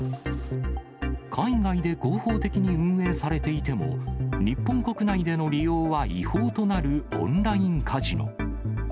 海外で合法的に運営されていても、日本国内での利用は違法となるオンラインカジノ。